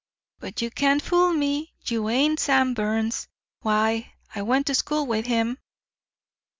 But you can't fool me. You ain't Sam Burns. Why, I went to school with him.'